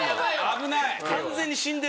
危ない！